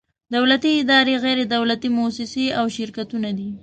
دولتي ادارې، غیر دولتي مؤسسې او شرکتونه دي.